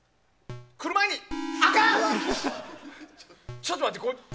ちょっと待って。